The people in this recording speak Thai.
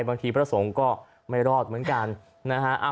พระสงฆ์ก็ไม่รอดเหมือนกันนะฮะ